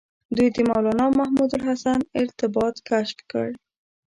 دوی د مولنا محمود الحسن ارتباط کشف کړ.